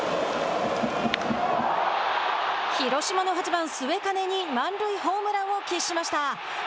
広島の５番末包に満塁ホームランを喫しました。